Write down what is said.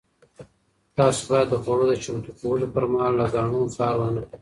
تاسو باید د خوړو د چمتو کولو پر مهال له ګاڼو کار ونه اخلئ.